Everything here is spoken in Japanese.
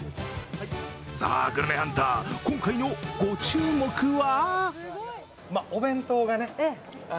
さあ、グルメハンター、今回のご注目は？